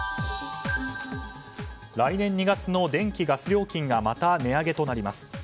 来年２月の電気・ガス料金がまた値上げとなります。